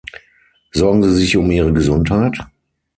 Sorgen Sie sich um Ihre Gesundheit?